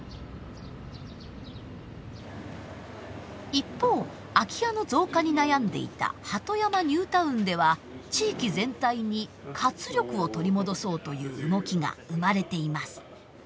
一方空き家の増加に悩んでいた鳩山ニュータウンでは地域全体に活力を取り戻そうという動きが生まれています。